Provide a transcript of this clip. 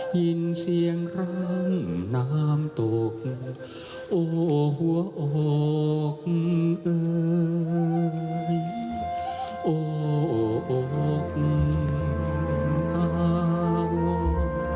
ยินเสียงร้าง